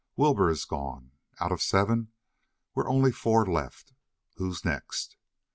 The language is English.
Wilbur is gone. Out of seven we're only four left. Who's next?"